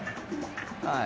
はい」